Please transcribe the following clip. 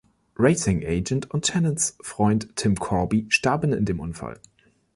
Racing Agent und Channons Freund Tim Corby starben in dem Unfall.